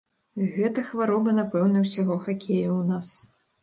Гэта хвароба, напэўна, усяго хакея ў нас.